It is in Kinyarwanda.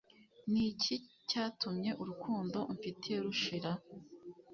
Niki cyatumye urukundo umfitiye rushira